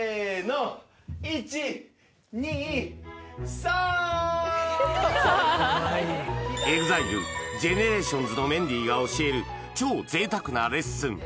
イチニサーンＥＸＩＬＥＧＥＮＥＲＡＴＩＯＮＳのメンディーが教える超贅沢なレッスン